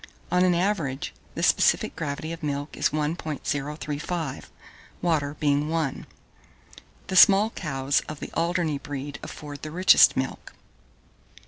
On an average, the specific gravity of milk is 1.035, water being 1. The small cows of the Alderney breed afford the richest milk.